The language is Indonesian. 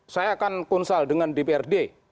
saya akan konsal dengan dprd